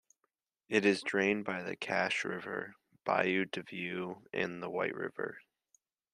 It is drained by the Cache River, Bayou DeView, and the White River.